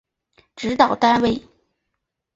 指导单位